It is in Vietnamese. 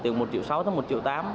từ một triệu sáu đến một triệu tám